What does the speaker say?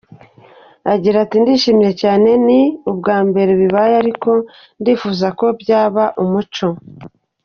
Agira ati “Ndishimye cyane, ni ubwa mbere bibaye ariko ndifuza ko byaba umuco.